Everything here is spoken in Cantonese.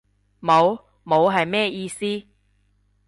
冇？冇係咩意思？